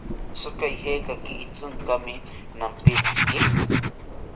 ¿Tzika ijekaki itzinkami nampitziki?